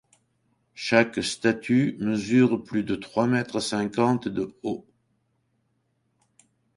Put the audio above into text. Chaque statue mesure plus de trois mètres cinquante de haut.